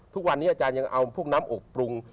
ทุกวันนี้อาจารย์ยังเอาพวกน้ำอบปรุง